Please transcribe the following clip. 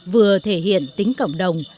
vừa thể hiện tính cộng đồng